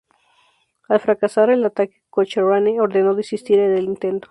Al fracasar el ataque Cochrane ordenó desistir del intento.